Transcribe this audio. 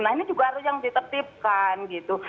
nah ini juga harus yang ditetipkan gitu